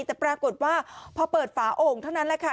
แต่ปรากฏว่าพอเปิดฝาโอ่งเท่านั้นแหละค่ะ